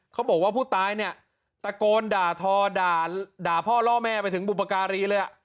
เขาบอกว่าผู้ตายเนี่ยตะโกนด่าทอด่าด่าพ่อล่อแม่ไปถึงบุปการีเลย